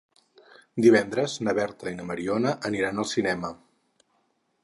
Divendres na Berta i na Mariona aniran al cinema.